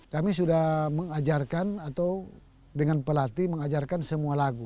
kami sudah mengajarkan atau dengan pelatih mengajarkan semua lagu